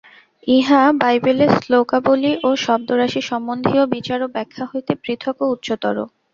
ইহা বাইবেলের শ্লোকাবলী ও শব্দরাশি-সম্বন্ধীয় বিচার ও ব্যাখ্যা হইতে পৃথক ও উচ্চতর।